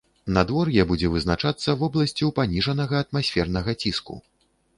Надвор'е будзе вызначацца вобласцю паніжанага атмасфернага ціску.